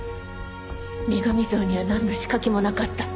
女神像にはなんの仕掛けもなかった。